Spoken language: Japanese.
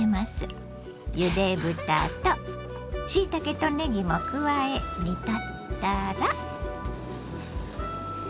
ゆで豚としいたけとねぎも加え煮立ったら。